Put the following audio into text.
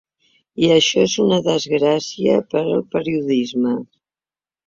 I això és una desgràcia per al periodisme.